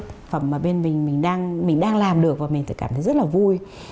cái sản phẩm mà bên mình đang làm được và mình cảm thấy rất là vui